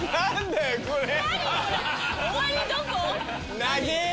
終わりどこ？